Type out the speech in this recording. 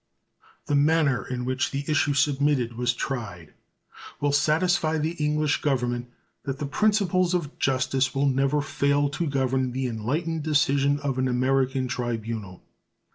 The manner in which the issue submitted was tried will satisfy the English Government that the principles of justice will never fail to govern the enlightened decision of an American tribunal.